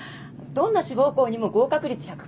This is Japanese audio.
どんな志望校にも合格率１００％。